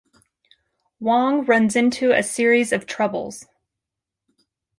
Wong runs into a series of troubles.